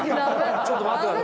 ちょっと待って下さい。